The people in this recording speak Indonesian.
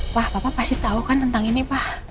wah papa pasti tahu kan tentang ini pak